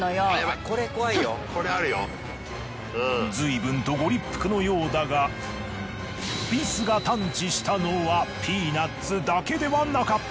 ずいぶんとご立腹のようだがビスが探知したのはピーナッツだけではなかった。